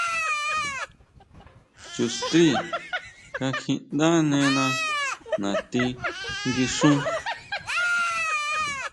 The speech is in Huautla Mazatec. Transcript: Chu strí kakjiʼndánena natí nguixún.